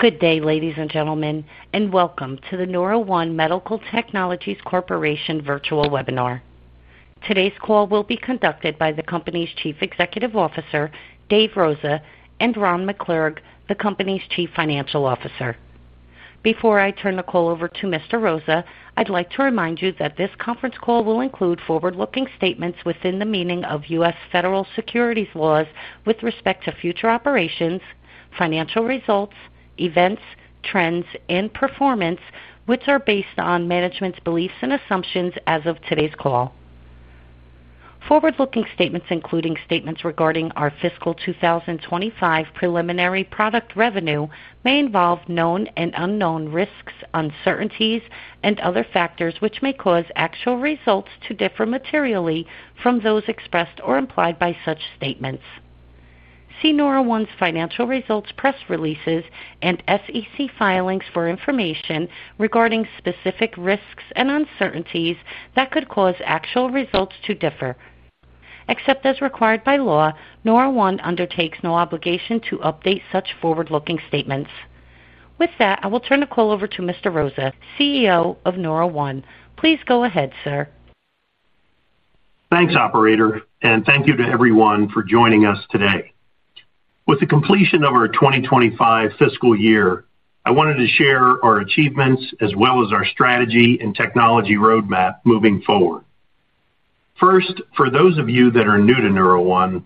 Good day, ladies and gentlemen, and welcome to the NeuroOne Medical Technologies Corporation Virtual Webinar. Today's call will be conducted by the company's Chief Executive Officer, Dave Rosa, and Ron McClurg, the company's Chief Financial Officer. Before I turn the call over to Mr. Rosa, I'd like to remind you that this conference call will include forward-looking statements within the meaning of U.S. federal securities laws with respect to future operations, financial results, events, trends, and performance, which are based on management's beliefs and assumptions as of today's call. Forward-looking statements, including statements regarding our fiscal 2025 preliminary product revenue, may involve known and unknown risks, uncertainties, and other factors which may cause actual results to differ materially from those expressed or implied by such statements. See NeuroOne's financial results press releases and SEC filings for information regarding specific risks and uncertainties that could cause actual results to differ. Except as required by law, NeuroOne undertakes no obligation to update such forward-looking statements. With that, I will turn the call over to Mr. Rosa, CEO of NeuroOne. Please go ahead, sir. Thanks, operator, and thank you to everyone for joining us today. With the completion of our 2025 fiscal year, I wanted to share our achievements as well as our strategy and technology roadmap moving forward. First, for those of you that are new to NeuroOne,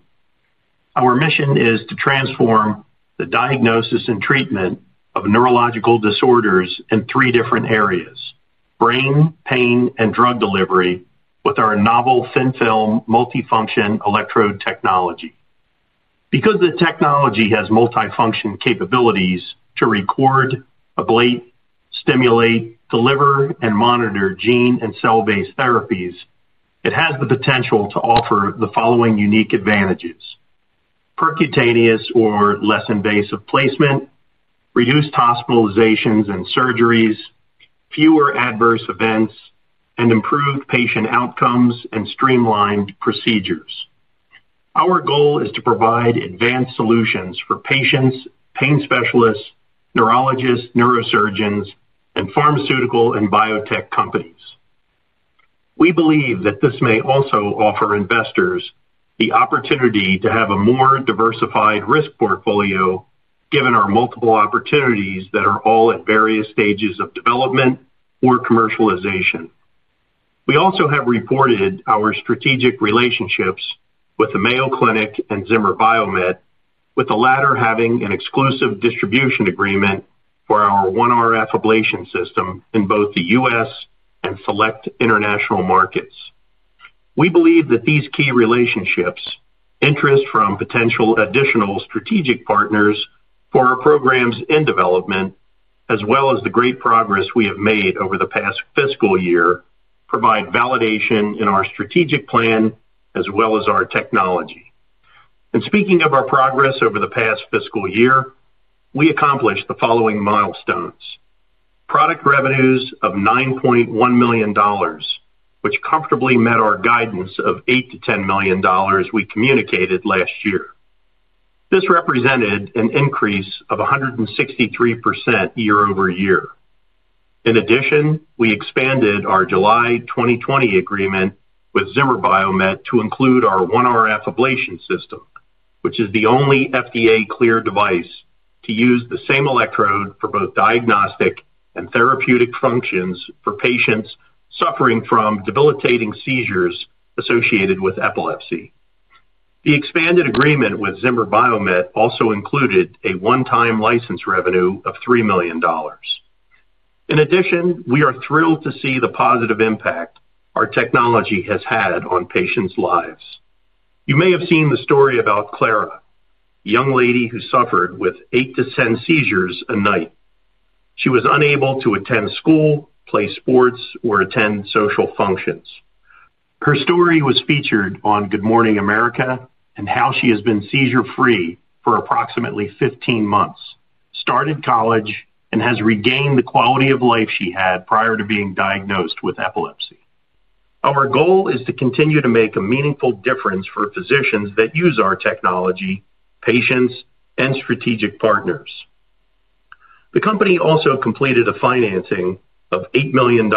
our mission is to transform the diagnosis and treatment of neurological disorders in three different areas: brain, pain, and drug delivery with our novel thin film multifunction electrode technology. Because the technology has multifunctional capabilities to record, ablate, stimulate, deliver, and monitor gene and cell-based therapies, it has the potential to offer the following unique advantages: percutaneous or less invasive placement, reduced hospitalizations and surgeries, fewer adverse events, and improved patient outcomes and streamlined procedures. Our goal is to provide advanced solutions for patients, pain specialists, neurologists, neurosurgeons, and pharmaceutical and biotech companies. We believe that this may also offer investors the opportunity to have a more diversified risk portfolio, given our multiple opportunities that are all at various stages of development or commercialization. We also have reported our strategic relationships with the Mayo Clinic and Zimmer Biomet, with the latter having an exclusive distribution agreement for our OneRF ablation system in both the U.S. and select international markets. We believe that these key relationships, interest from potential additional strategic partners for our programs and development, as well as the great progress we have made over the past fiscal year, provide validation in our strategic plan as well as our technology. Speaking of our progress over the past fiscal year, we accomplished the following milestones: product revenues of $9.1 million, which comfortably met our guidance of $8 million-$10 million we communicated last year. This represented an increase of 163% year-over-year. In addition, we expanded our July 2020 agreement with Zimmer Biomet to include our OneRF ablation system, which is the only FDA-cleared device to use the same electrode for both diagnostic and therapeutic functions for patients suffering from debilitating seizures associated with epilepsy. The expanded agreement with Zimmer Biomet also included a one-time license revenue of $3 million. In addition, we are thrilled to see the positive impact our technology has had on patients' lives. You may have seen the story about Clara, a young lady who suffered with eight to 10 seizures a night. She was unable to attend school, play sports, or attend social functions. Her story was featured on Good Morning America and how she has been seizure-free for approximately 15 months, started college, and has regained the quality of life she had prior to being diagnosed with epilepsy. Our goal is to continue to make a meaningful difference for physicians that use our technology, patients, and strategic partners. The company also completed financing of $8 million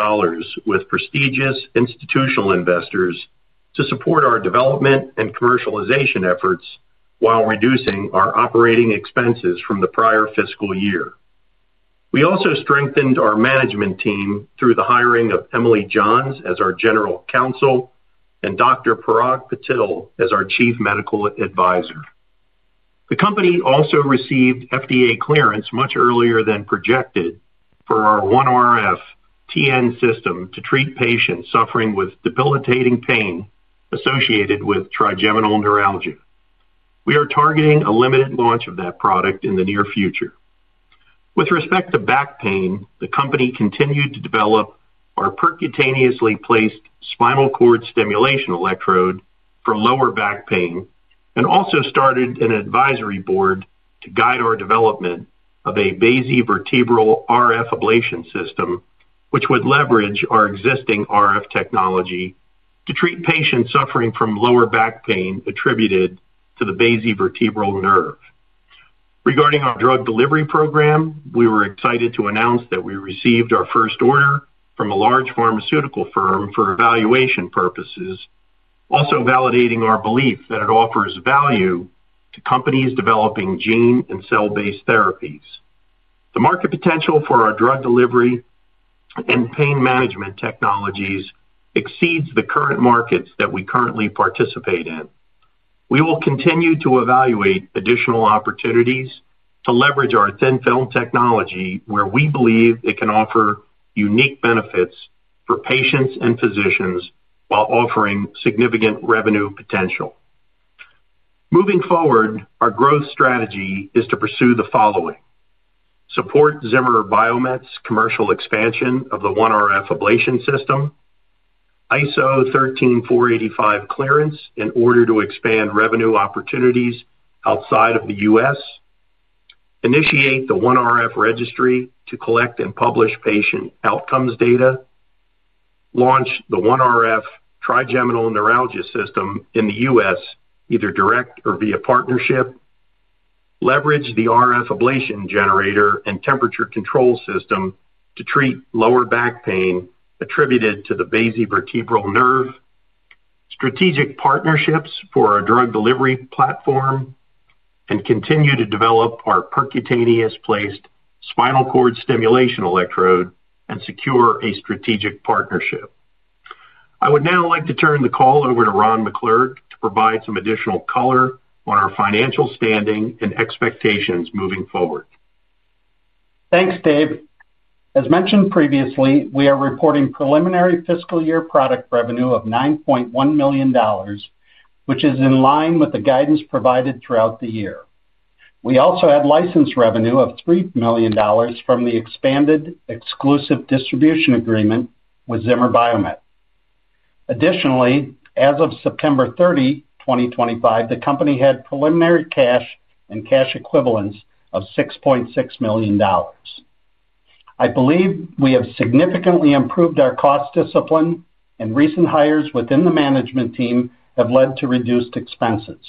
with prestigious institutional investors to support our development and commercialization efforts while reducing our operating expenses from the prior fiscal year. We also strengthened our management team through the hiring of Emily Johns as our General Counsel and Dr. Parag Patil as our Chief Medical Advisor. The company also received FDA clearance much earlier than projected for our OneRF TN system to treat patients suffering with debilitating pain associated with trigeminal neuralgia. We are targeting a limited launch of that product in the near future. With respect to back pain, the company continued to develop our percutaneously placed spinal cord stimulation electrode for lower back pain and also started an advisory board to guide our development of a basivertebral RF ablation system, which would leverage our existing RF technology to treat patients suffering from lower back pain attributed to the basivertebral nerve. Regarding our drug delivery program, we were excited to announce that we received our first order from a large pharmaceutical firm for evaluation purposes, also validating our belief that it offers value to companies developing gene and cell-based therapies. The market potential for our drug delivery and pain management technologies exceeds the current markets that we currently participate in. We will continue to evaluate additional opportunities to leverage our thin film technology where we believe it can offer unique benefits for patients and physicians while offering significant revenue potential. Moving forward, our growth strategy is to pursue the following: support Zimmer Biomet's commercial expansion of the OneRF ablation system, ISO 13485 clearance in order to expand revenue opportunities outside of the U.S., initiate the OneRF registry to collect and publish patient outcomes data, launch the OneRF trigeminal neuralgia system in the U.S., either direct or via partnership, leverage the RF ablation generator and temperature control system to treat lower back pain attributed to the basivertebral nerve, strategic partnerships for our drug delivery platform, and continue to develop our percutaneously placed spinal cord stimulation electrode and secure a strategic partnership. I would now like to turn the call over to Ron McClurg to provide some additional color on our financial standing and expectations moving forward. Thanks, Dave. As mentioned previously, we are reporting preliminary fiscal year product revenue of $9.1 million, which is in line with the guidance provided throughout the year. We also have license revenue of $3 million from the expanded exclusive distribution agreement with Zimmer Biomet. Additionally, as of September 30, 2025, the company had preliminary cash and cash equivalents of $6.6 million. I believe we have significantly improved our cost discipline, and recent hires within the management team have led to reduced expenses.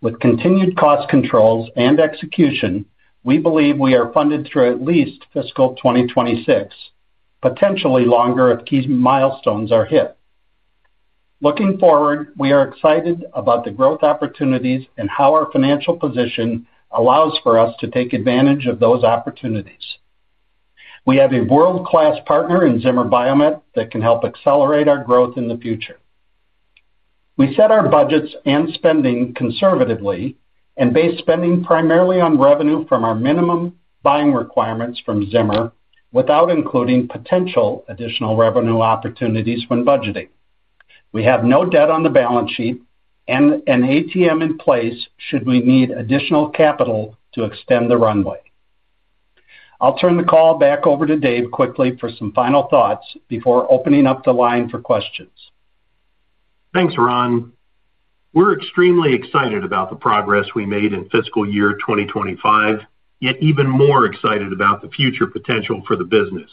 With continued cost controls and execution, we believe we are funded through at least fiscal 2026, potentially longer if key milestones are hit. Looking forward, we are excited about the growth opportunities and how our financial position allows for us to take advantage of those opportunities. We have a world-class partner in Zimmer Biomet that can help accelerate our growth in the future. We set our budgets and spending conservatively and base spending primarily on revenue from our minimum buying requirements from Zimmer without including potential additional revenue opportunities when budgeting. We have no debt on the balance sheet and an ATM in place should we need additional capital to extend the runway. I'll turn the call back over to Dave quickly for some final thoughts before opening up the line for questions. Thanks, Ron. We're extremely excited about the progress we made in fiscal year 2025, yet even more excited about the future potential for the business.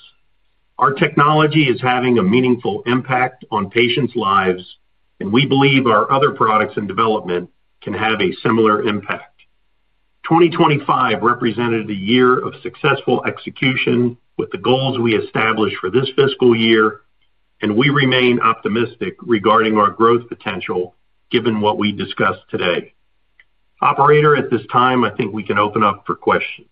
Our technology is having a meaningful impact on patients' lives, and we believe our other products and development can have a similar impact. 2025 represented a year of successful execution with the goals we established for this fiscal year, and we remain optimistic regarding our growth potential given what we discussed today. Operator, at this time, I think we can open up for questions.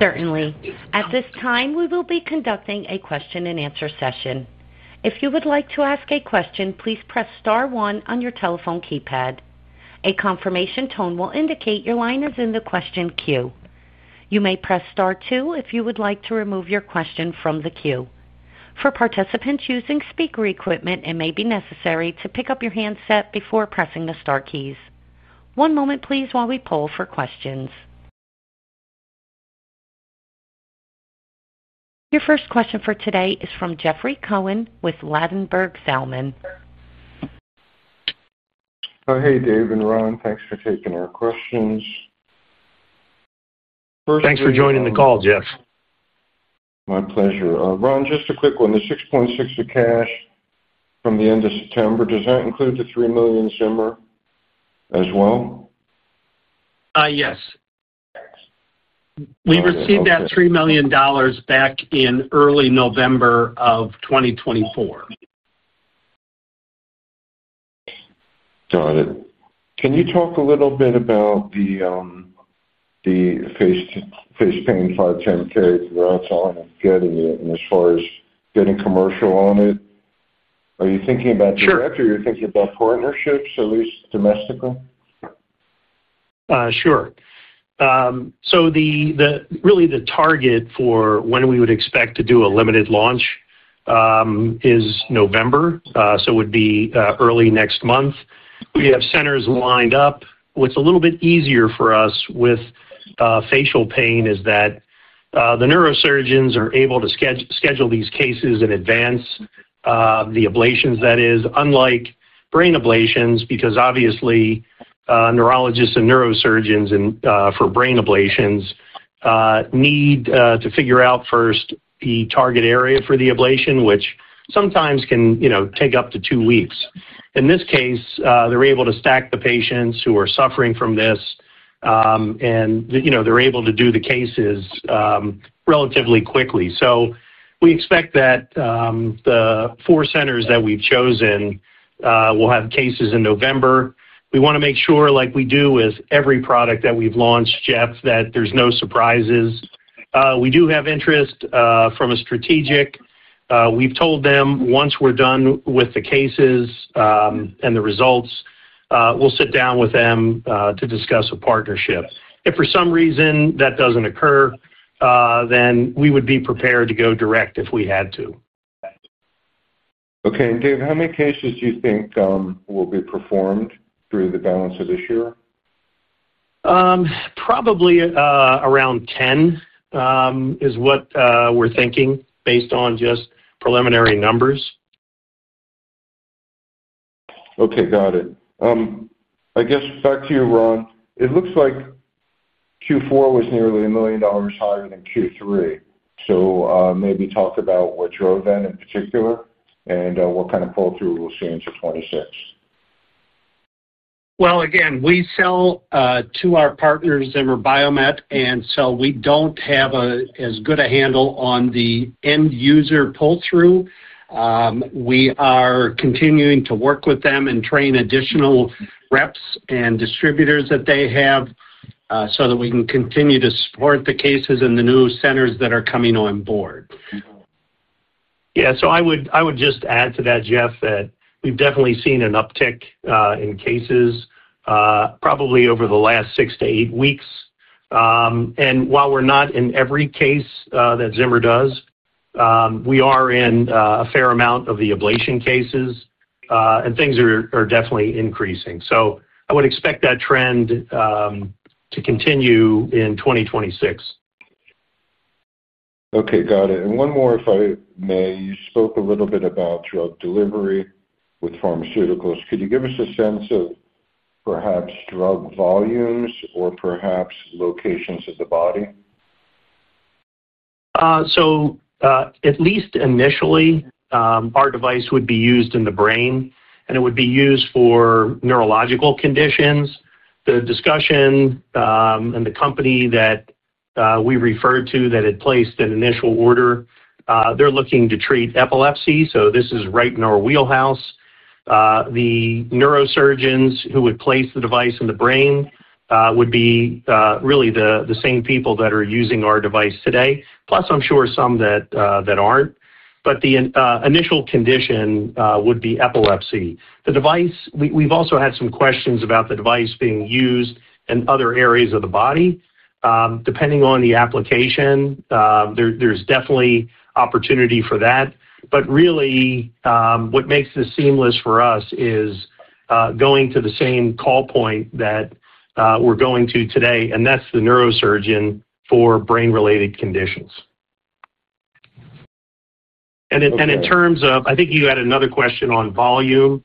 Certainly. At this time, we will be conducting a question-and-answer session. If you would like to ask a question, please press star one on your telephone keypad. A confirmation tone will indicate your line is in the question queue. You may press star two if you would like to remove your question from the queue. For participants using speaker equipment, it may be necessary to pick up your handset before pressing the star keys. One moment, please, while we poll for questions. Your first question for today is from Jeffrey Cohen with Ladenburg Thalmann. Hey, Dave and Ron, thanks for taking our questions. Thanks for joining the call, Jeff. My pleasure. Ron, just a quick one. The $6.6 million of cash from the end of September, does that include the $3 million Zimmer as well? Yes. We received that $3 million back in early November of 2024. Got it. Can you talk a little bit about the face pain and float time carriers? That's all I'm getting you. As far as getting commercial on it, are you thinking about this after you're thinking about partnerships, at least domestically? Sure. The target for when we would expect to do a limited launch is November, so it would be early next month. We have centers lined up. What's a little bit easier for us with facial pain is that the neurosurgeons are able to schedule these cases in advance, the ablations that is, unlike brain ablations, because obviously neurologists and neurosurgeons for brain ablations need to figure out first the target area for the ablation, which sometimes can take up to two weeks. In this case, they're able to stack the patients who are suffering from this, and they're able to do the cases relatively quickly. We expect that the four centers that we've chosen will have cases in November. We want to make sure, like we do with every product that we've launched, Jeff, that there's no surprises. We do have interest from a strategic. We've told them once we're done with the cases and the results, we'll sit down with them to discuss a partnership. If for some reason that doesn't occur, then we would be prepared to go direct if we had to. Okay. Dave, how many cases do you think will be performed through the balance of this year? Probably around 10 is what we're thinking based on just preliminary numbers. Okay. Got it. I guess back to you, Ron. It looks like Q4 was nearly $1 million higher than Q3. Maybe talk about what drove that in particular and what kind of pull-through we'll see into 2026. Again, we sell to our partners Zimmer Biomet, and so we don't have as good a handle on the end user pull-through. We are continuing to work with them and train additional reps and distributors that they have so that we can continue to support the cases in the new centers that are coming on board. I would just add to that, Jeff, that we've definitely seen an uptick in cases probably over the last six to eight weeks. While we're not in every case that Zimmer does, we are in a fair amount of the ablation cases, and things are definitely increasing. I would expect that trend to continue in 2026. Okay. Got it. One more, if I may, you spoke a little bit about drug delivery with pharmaceuticals. Could you give us a sense of perhaps drug volumes or perhaps locations of the body? At least initially, our device would be used in the brain, and it would be used for neurological conditions. The discussion and the company that we referred to that had placed an initial order, they're looking to treat epilepsy. This is right in our wheelhouse. The neurosurgeons who would place the device in the brain would be really the same people that are using our device today. Plus, I'm sure some that aren't. The initial condition would be epilepsy. We've also had some questions about the device being used in other areas of the body. Depending on the application, there's definitely opportunity for that. What makes this seamless for us is going to the same call point that we're going to today, and that's the neurosurgeon for brain-related conditions. In terms of, I think you had another question on volume.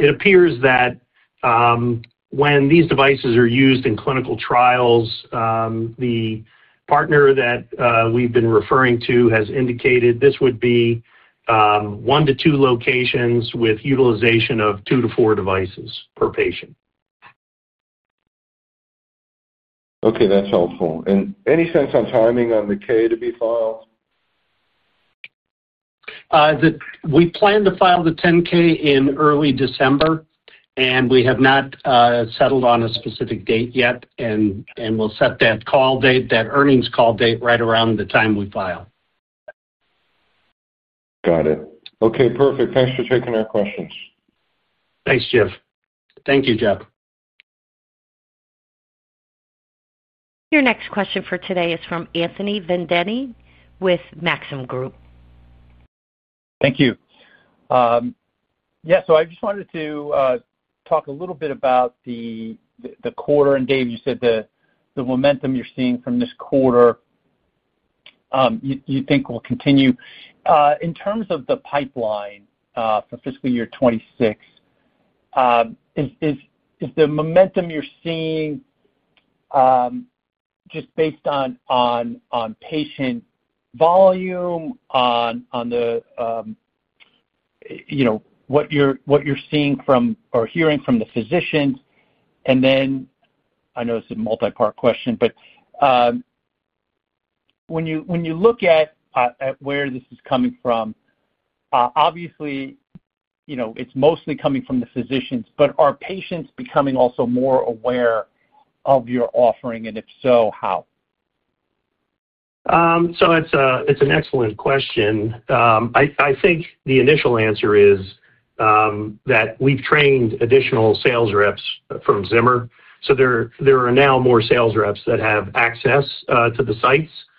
It appears that when these devices are used in clinical trials, the partner that we've been referring to has indicated this would be one to two locations with utilization of two to four devices per patient. Okay. That's helpful. Any sense on timing on the K to be filed? We plan to file the 10-K in early December, and we have not settled on a specific date yet. We'll set that earnings call date right around the time we file. Got it. Okay. Perfect. Thanks for taking our questions. Thank you, Jeff. Your next question for today is from Anthony Vendetti with Maxim Group. Thank you. I just wanted to talk a little bit about the quarter. Dave, you said the momentum you're seeing from this quarter, you think will continue. In terms of the pipeline for fiscal year 2026, is the momentum you're seeing just based on patient volume, on what you're seeing from or hearing from the physicians? I know it's a multi-part question, but when you look at where this is coming from, obviously, it's mostly coming from the physicians, but are patients becoming also more aware of your offering? If so, how? It's an excellent question. I think the initial answer is that we've trained additional sales reps from Zimmer. There are now more sales reps that have access to the sites, and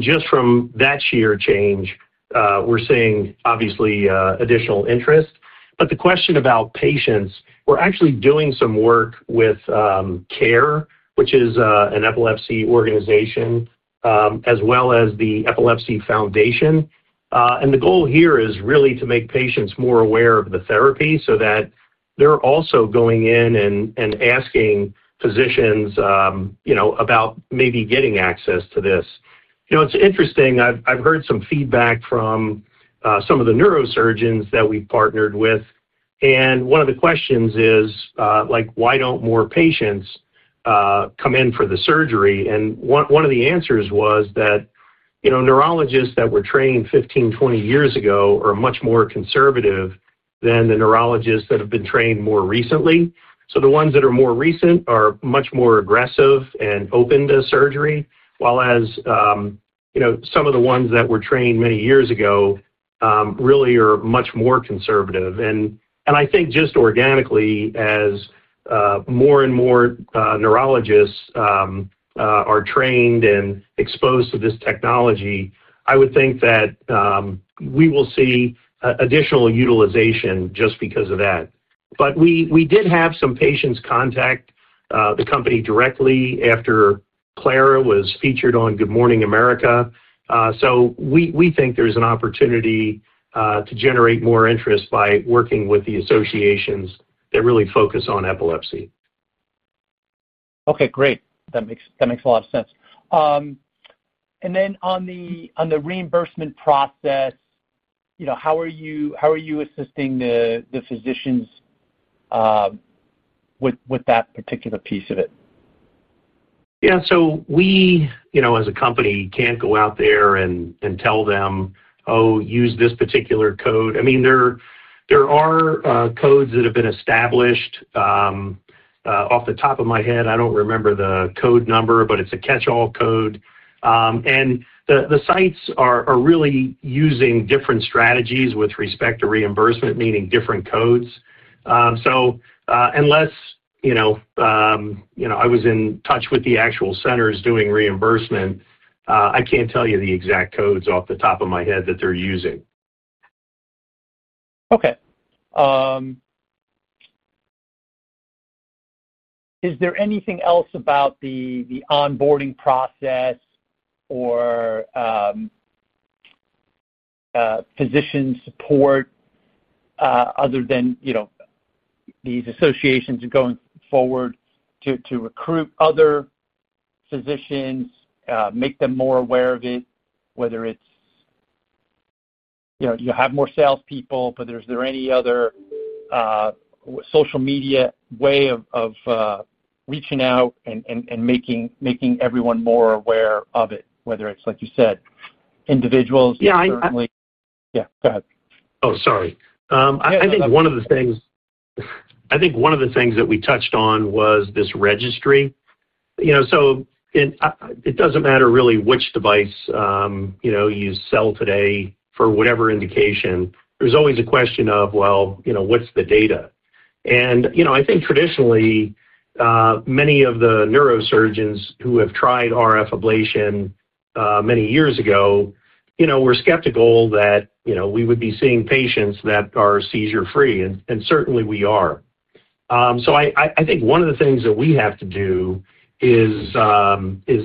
just from that sheer change, we're seeing additional interest. The question about patients, we're actually doing some work with [CURE], which is an epilepsy organization, as well as the Epilepsy Foundation. The goal here is really to make patients more aware of the therapy so that they're also going in and asking physicians about maybe getting access to this. It's interesting. I've heard some feedback from some of the neurosurgeons that we've partnered with, and one of the questions is, like, why don't more patients come in for the surgery? One of the answers was that neurologists that were trained 15, 20 years ago are much more conservative than the neurologists that have been trained more recently. The ones that are more recent are much more aggressive and open to surgery, while some of the ones that were trained many years ago really are much more conservative. I think just organically, as more and more neurologists are trained and exposed to this technology, I would think that we will see additional utilization just because of that. We did have some patients contact the company directly after Clara was featured on Good Morning America. We think there's an opportunity to generate more interest by working with the associations that really focus on epilepsy. Okay, great. That makes a lot of sense. On the reimbursement process, how are you assisting the physicians with that particular piece of it? We, as a company, can't go out there and tell them, "Oh, use this particular code." There are codes that have been established. Off the top of my head, I don't remember the code number, but it's a catch-all code. The sites are really using different strategies with respect to reimbursement, meaning different codes. Unless I was in touch with the actual centers doing reimbursement, I can't tell you the exact codes off the top of my head that they're using. Okay. Is there anything else about the onboarding process or physician support other than these associations going forward to recruit other physicians, make them more aware of it, whether you have more salespeople? Is there any other social media way of reaching out and making everyone more aware of it, whether it's, like you said, individuals? I think one of the things that we touched on was this registry. It doesn't matter really which device you sell today for whatever indication. There's always a question of, what's the data? I think traditionally, many of the neurosurgeons who have tried RF ablation many years ago were skeptical that we would be seeing patients that are seizure-free, and certainly we are. I think one of the things that we have to do is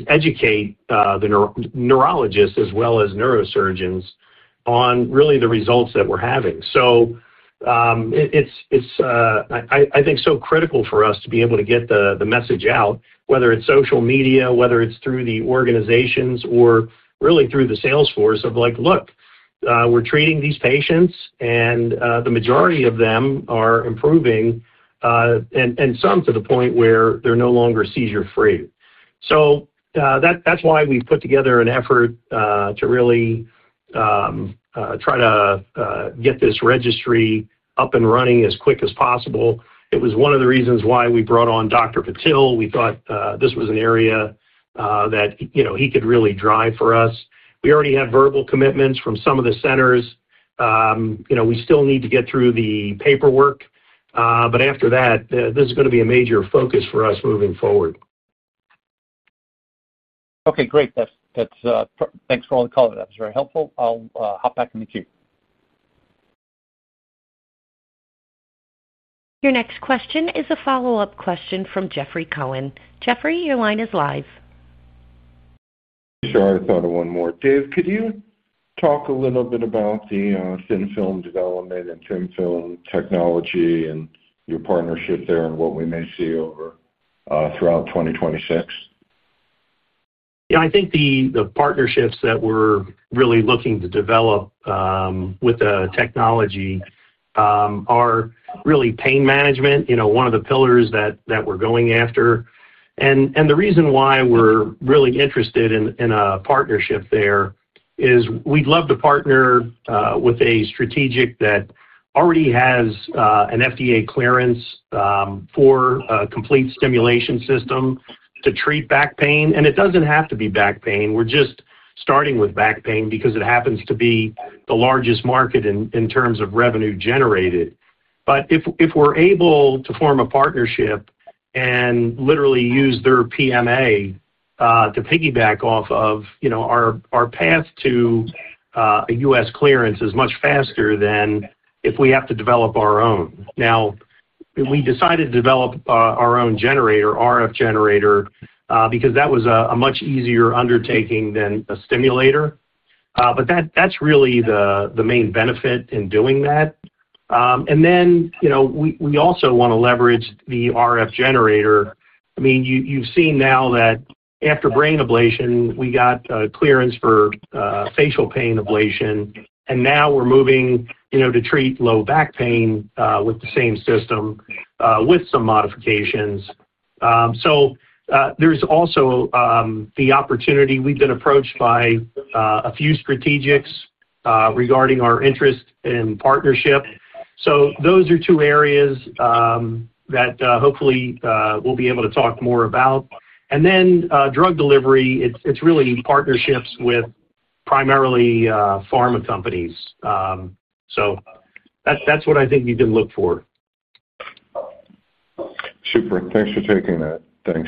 educate the neurologists as well as neurosurgeons on the results that we're having. It's so critical for us to be able to get the message out, whether it's social media, through the organizations, or through the sales force, like, look, we're treating these patients, and the majority of them are improving, and some to the point where they're no longer seizure-free. That's why we've put together an effort to try to get this registry up and running as quick as possible. It was one of the reasons why we brought on Dr. Patil. We thought this was an area that he could really drive for us. We already have verbal commitments from some of the centers. We still need to get through the paperwork. After that, this is going to be a major focus for us moving forward. Okay, great. Thanks for all the call. That was very helpful. I'll hop back in the queue. Your next question is a follow-up question from Jeffrey Cohen. Jeffrey, your line is live. Sure. I thought of one more. Dave, could you talk a little bit about the thin film development and thin film technology and your partnership there and what we may see over throughout 2026? Yeah, I think the partnerships that we're really looking to develop with the technology are really pain management, you know, one of the pillars that we're going after. The reason why we're really interested in a partnership there is we'd love to partner with a strategic that already has an FDA clearance for a complete stimulation system to treat back pain. It doesn't have to be back pain. We're just starting with back pain because it happens to be the largest market in terms of revenue generated. If we're able to form a partnership and literally use their PMA to piggyback off of, our path to a U.S. clearance is much faster than if we have to develop our own. We decided to develop our own generator, RF generator, because that was a much easier undertaking than a stimulator. That's really the main benefit in doing that. We also want to leverage the RF generator. You've seen now that after brain ablation, we got clearance for facial pain ablation, and now we're moving to treat low back pain with the same system with some modifications. There's also the opportunity. We've been approached by a few strategics regarding our interest in partnership. Those are two areas that hopefully we'll be able to talk more about. Drug delivery, it's really partnerships with primarily pharma companies. That's what I think we can look for. Super. Thanks for taking that. Thanks.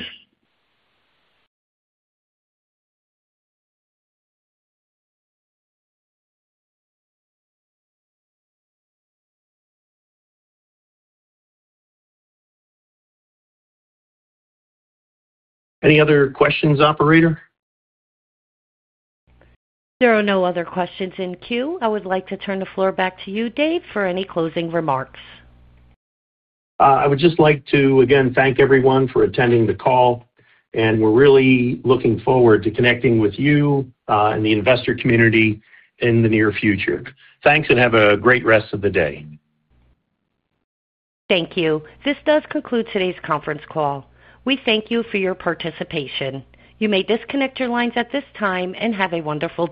Any other questions, operator? There are no other questions in queue. I would like to turn the floor back to you, Dave, for any closing remarks. I would just like to thank everyone for attending the call, and we're really looking forward to connecting with you and the investor community in the near future. Thanks and have a great rest of the day. Thank you. This does conclude today's conference call. We thank you for your participation. You may disconnect your lines at this time and have a wonderful day.